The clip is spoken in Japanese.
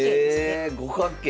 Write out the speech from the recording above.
え五角形。